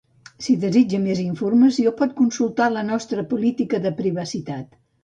Si desitja més informació pot consultar la nostra Política de privacitat.